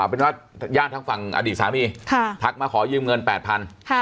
อ่าเป็นว่าย่านทั้งฝั่งอดีตสามีค่ะทักมาขอยืมเงินแปดพันค่ะ